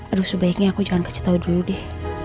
aduh sebaiknya aku jangan kasih tahu dulu deh